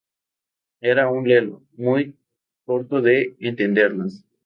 Era un lelo, muy corto de entendederas